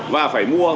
và phải mua